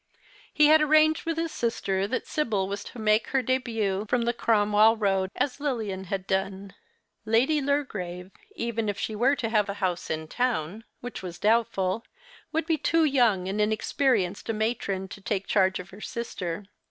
He had arranged with his sister that Sibyl Avas to make her dehut from the Cromwell Eoad as Lilian had done. Lady Lurgrave, even if she ;were to have a house in town, which was doubtful, would be too young and inexperienced a matron to take charge of her sister.